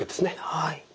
はい。